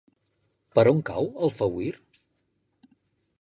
Per on cau Alfauir?